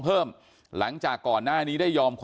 อันนี้มันต้องมีเครื่องชีพในกรณีที่มันเกิดเหตุวิกฤตจริงเนี่ย